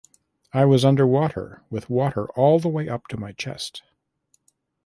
I was underwater with water all the way up to my chest.